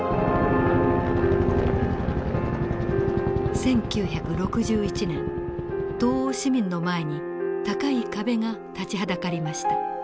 １９６１年東欧市民の前に高い壁が立ちはだかりました。